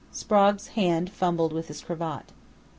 Sprague's hand fumbled with his cravat.